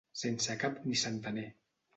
Sense cap ni centener.